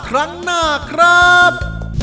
ครั้งหน้าครับ